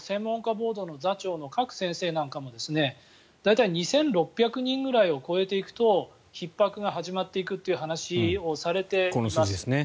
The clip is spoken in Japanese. ボードの座長の賀来先生なんかも大体２６００人ぐらいを超えていくとひっ迫が始まっていくという話をされています。